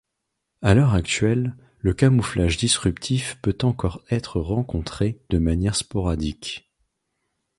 À l'heure actuelle, le camouflage disruptif peut encore être rencontré de manière sporadique.